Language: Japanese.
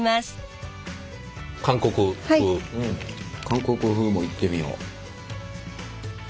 韓国風もいってみよ。